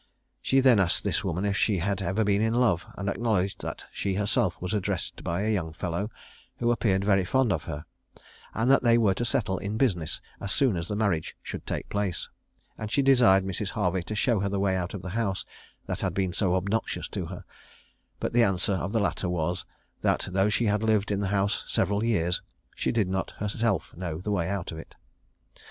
She then asked this woman if she had ever been in love, and acknowledged that she herself was addressed by a young fellow, who appeared very fond of her, and that they were to settle in business as soon as the marriage should take place; and she desired Mrs. Harvey to show her the way out of the house that had been so obnoxious to her: but the answer of the latter was, that though she had lived in the house several years, she did not herself know the way out of it.